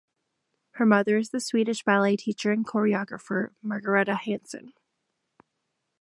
Her mother is the Swedish ballet teacher and choreographer Margareta Hanson.